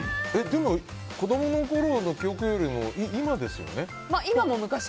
でも、子供のころの記憶よりも今ですよね。